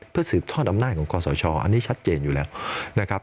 เพื่อสืบทอดอำนาจของคอสชอันนี้ชัดเจนอยู่แล้วนะครับ